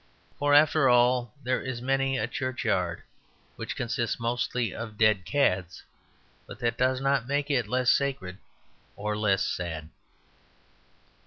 For, after all, there is many a churchyard which consists mostly of dead cads; but that does not make it less sacred or less sad.